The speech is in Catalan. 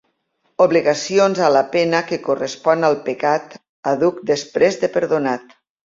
Obligacions a la pena que correspon al pecat àdhuc després de perdonat.